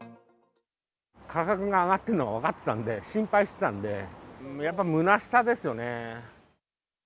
価格が上がってるのが分かってたんで、心配してたんで、やっぱりむなしさですよね。